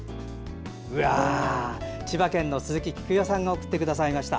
千葉県の鈴木菊代さんが送ってくださいました。